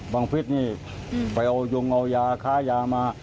บังฟิศนี่ไปเอายงเอายาขายยามา